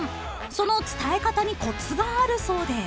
［その伝え方にコツがあるそうで］